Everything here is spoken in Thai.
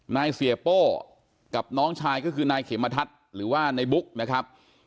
นายเสียโป้กับน้องชายก็คือนายเขมทัศน์หรือว่าในบุ๊กนะครับ